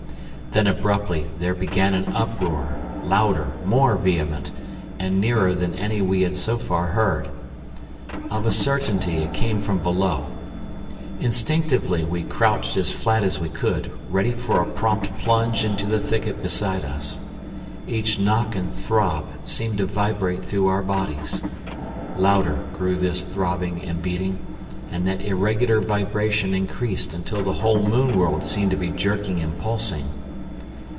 Then abruptly there began an uproar, louder, more vehement, and nearer than any we had so far heard. Of a certainty it came from below. Instinctively we crouched as flat as we could, ready for a prompt plunge into the thicket beside us. Each knock and throb seemed to vibrate through our bodies. Louder grew this throbbing and beating, and that irregular vibration increased until the whole moon world seemed to be jerking and pulsing.